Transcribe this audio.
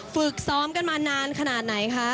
ฝึกซ้อมกันมานานขนาดไหนคะ